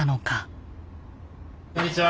こんにちは。